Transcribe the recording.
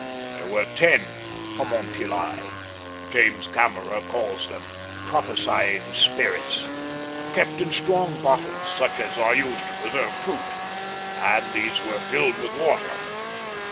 There were ten homunculi—James Kammerer calls them prophesying spirits—kept in strong bottles, such as are used to preserve fruit, and these were filled with water.